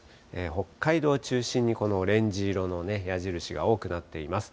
北海道を中心に、このオレンジ色の矢印が多くなっています。